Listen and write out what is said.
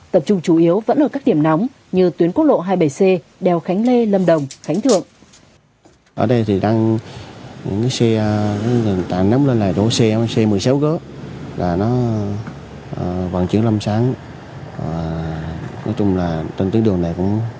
tập trung chủ yếu vẫn ở các điểm nóng như tuyến quốc lộ hai mươi bảy c đèo khánh lê lâm đồng khánh thượng